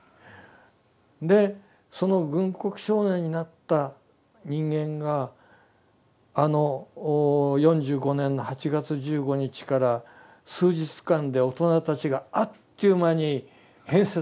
でその軍国少年になった人間があの４５年の８月１５日から数日間で大人たちがあっという間に変節するわけ。